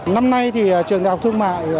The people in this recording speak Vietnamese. năm nay thì trường đại học thu mại